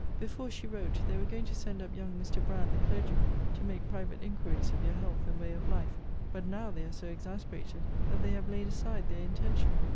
Before she wrote, they were going to send up young Mr. Brand, the clergyman, to make private inquiries of your health, and way of life. But now they are so exasperated that they have laid aside their intention.